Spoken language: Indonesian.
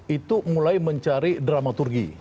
itu mulai mencari dramaturgi